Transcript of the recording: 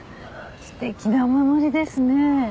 すてきなお守りですね。